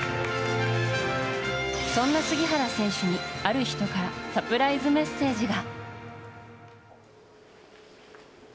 そんな杉原選手に、ある人からサプライズメッセージが。